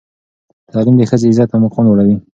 تعلیم د ښځې عزت او مقام لوړوي.